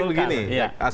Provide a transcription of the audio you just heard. yang menarik begini